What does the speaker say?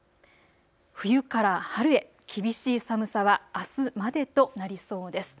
冬から春へ、厳しい寒さはあすまでとなりそうです。